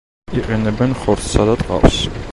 იყენებენ ხორცსა და ტყავს.